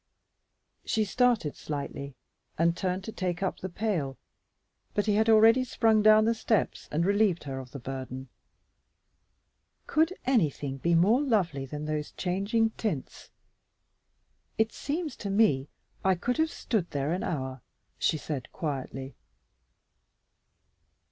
She started slightly and turned to take up the pail; but he had already sprung down the steps and relieved her of the burden. "Could anything be more lovely than those changing tints? It seems to me I could have stood there an hour," she said quietly.